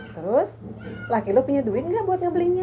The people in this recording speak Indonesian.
terus laki lu punya duit nggak buat ngebelinya